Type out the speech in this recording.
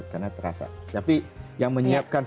karena terasa tapi yang menyiapkan